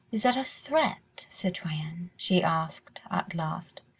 "Is that a threat, citoyen?" she asked at last.